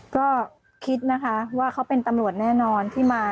ก็คิดนะคะว่าเขาเป็นตำรวจแน่นอนที่มา